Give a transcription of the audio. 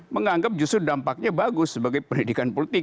menganggap justru dampaknya bagus sebagai pendidikan politik